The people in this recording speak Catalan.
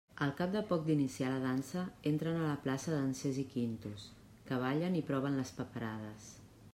Al cap de poc d'iniciar la dansa entren a la plaça dansers i quintos, que ballen i proven les paperades.